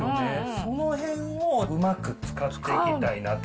そのへんをうまく使っていきたいなと。